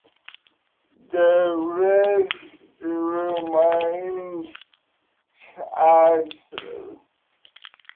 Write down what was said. The rest remained chattel.